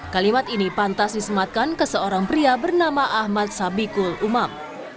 kalimat ini pantas disematkan ke seorang pria bernama ahmad sabikul umam